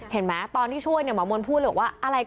เห็นไหมตอนที่ช่วยเนี่ยหมอมนต์พูดเลยบอกว่าอะไร